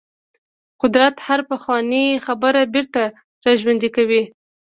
قدرت هره پخوانۍ خبره بیرته راژوندۍ کوي.